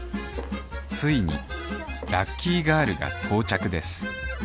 ついにラッキーガールが到着です